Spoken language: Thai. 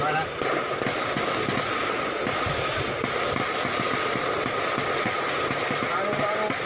ไปลง